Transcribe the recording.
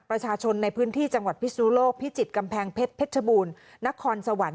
ประชาชนในพื้นที่จังหวัดพิศนุโลกพิจิตรกำแพงเพชรเพชรบูรณ์นครสวรรค์